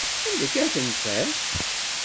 Anda akka ara tent err?